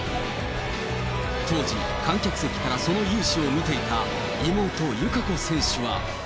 当時、観客席からその雄姿を見ていた妹、友香子選手は。